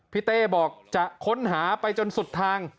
เต้บอกจะค้นหาไปจนสุดทาง